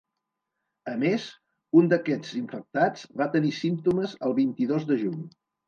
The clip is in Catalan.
A més, un d’aquests infectats va tenir símptomes el vint-i-dos de juny.